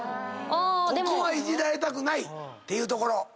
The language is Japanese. ここはイジられたくないっていうところ。